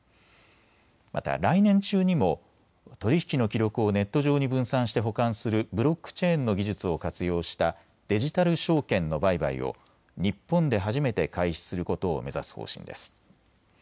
また来年中にも取り引きの記録をネット上に分散して保管するブロックチェーンの技術を活用したデジタル証券の売買を日本で初めて開始することを目指す方針です。